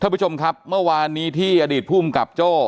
ผู้ชมครับเมื่อวานนี้ที่อดีตภูมิกับโจ้